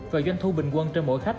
và doanh thu bình quân cho mỗi khách